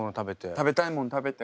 食べたいもん食べて。